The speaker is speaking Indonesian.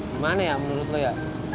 gimana ya menurut lo ya